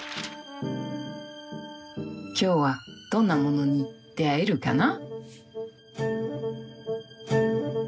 今日はどんなものに出会えるかな。